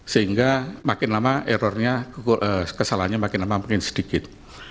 sehingga makin lama errornya kesalahannya makin lama makin sedikit